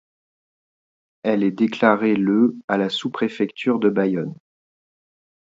Elle est déclarée le à la sous-préfecture de Bayonne.